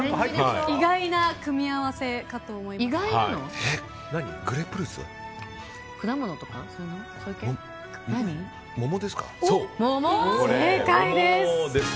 意外な組み合わせかと思います。